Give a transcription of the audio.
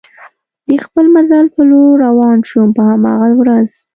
د خپل مزل په لور روان شوم، په هماغه ورځ.